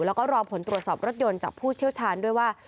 แล้วก็รอผลตรวจสอบรถยนต์จากผู้เชี่ยวชาญด้วยว่า